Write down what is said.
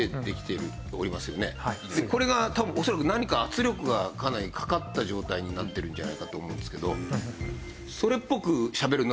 これが多分恐らく何か圧力がかなりかかった状態になってるんじゃないかと思うんですけど。